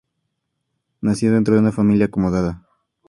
Nació dentro de una familia acomodada.